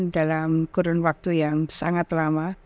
dalam kurun waktu yang sangat lama